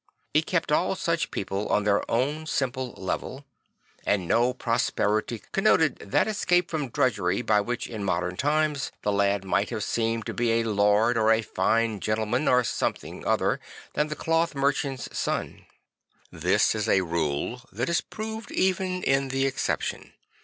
It kept all such people on their own simple level, and no prosperity connoted that escape from drudgery by which in modem times the lad might have seemed to be a lord or a fine gentleman or something other than the cloth merchant's son. This is a rule that is proved even in the exception.